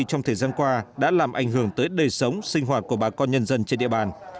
trong thời gian qua đã làm ảnh hưởng tới đời sống sinh hoạt của bà con nhân dân trên địa bàn